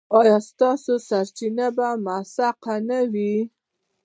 ایا ستاسو سرچینه به موثقه نه وي؟